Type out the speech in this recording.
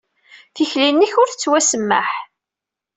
Tikli-nnek ur tettwasemmaḥ.